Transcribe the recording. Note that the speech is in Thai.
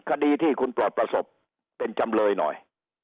คดีที่คุณปลอดประสบเป็นจำเลยหน่อย